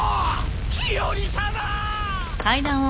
日和さま！